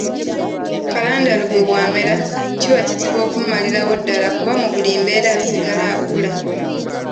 Kalandalugo bw'amera, kiba kizibu okumumalirawo ddala kuba mu buli mbeera asigala akula.